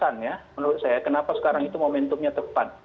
ada tiga alasan ya menurut saya kenapa sekarang itu momentumnya tepat